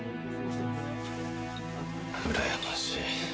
うらやましい。